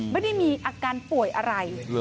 ไม่ได้มีอาการป่วยอะไร